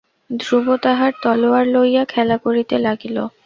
ধ্রুব তাঁহার তলোয়ার লইয়া খেলা করিতে লাগিল।